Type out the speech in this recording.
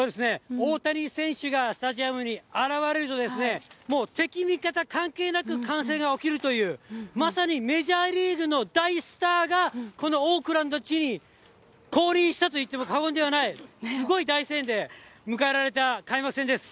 大谷選手がスタジアムに現れると、もう、敵味方関係なく歓声が起きるという、まさにメジャーリーグの大スターがこのオークランドの地に降臨したといっても過言ではない、すごい大声援で迎えられた開幕戦です。